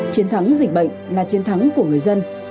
chiến thắng dịch bệnh là chiến thắng của người dân